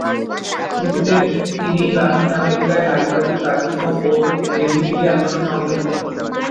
শুরুতে তিনি লাতিন আমেরিকায় নারীবাদী কার্যক্রম ও এলজিবিটি আন্দোলনে অংশ নিতেন।